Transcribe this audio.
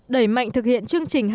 đẩy mạnh thực hiện chương trình